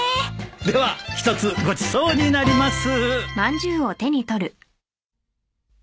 ではひとつごちそうになります。